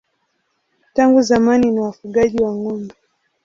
Tangu zamani ni wafugaji wa ng'ombe.